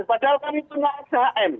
padahal kami punya shm